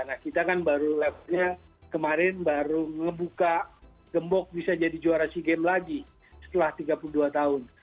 nah kita kan baru levelnya kemarin baru ngebuka gembok bisa jadi juara sea games lagi setelah tiga puluh dua tahun